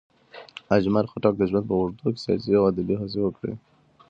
اجمل خټک د ژوند په اوږدو کې سیاسي او ادبي هڅې وکړې.